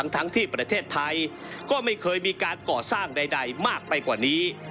ทั้งที่ประเทศไทยก็ไม่เคยมีการก่อสร้างใดมากไปกว่านี้